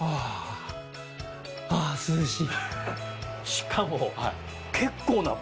しかも。